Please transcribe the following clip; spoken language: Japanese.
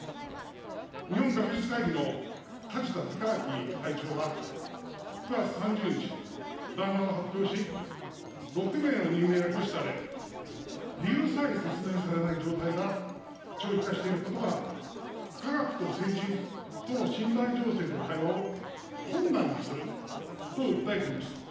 日本学術会議の梶田隆章会長は９月３０日、談話を発表し、６名の任命が拒否され、理由さえ説明されない状態が長期化していることは、科学と政治との信頼醸成と対話を困難にすると訴えています。